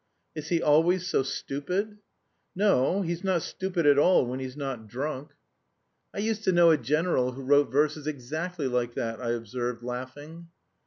"Is he always so stupid?" "No, he's not stupid at all when he's not drunk." "I used to know a general who wrote verses exactly like that," I observed, laughing.